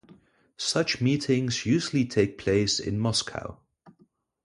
Such meetings usually take place in Moscow.